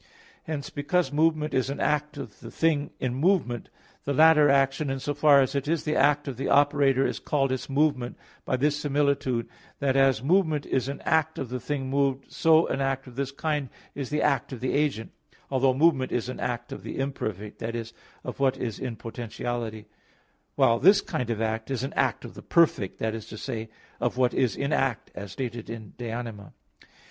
Hence, because movement is an act of the thing in movement, the latter action, in so far as it is the act of the operator, is called its movement, by this similitude, that as movement is an act of the thing moved, so an act of this kind is the act of the agent, although movement is an act of the imperfect, that is, of what is in potentiality; while this kind of act is an act of the perfect, that is to say, of what is in act as stated in De Anima iii, 28.